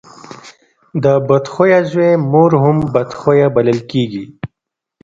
د بد خويه زوی مور هم بد خويه بلل کېږي.